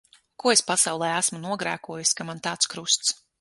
Ko es pasaulē esmu nogrēkojusi, ka man tāds krusts.